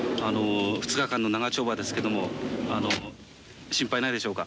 ２日間の長丁場ですけども心配ないでしょうか？